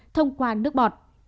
thông qua nước bọt